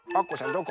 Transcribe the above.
どこ？